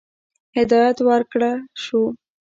هدایت ورکړه شو.